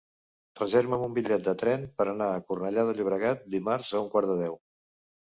Reserva'm un bitllet de tren per anar a Cornellà de Llobregat dimarts a un quart de deu.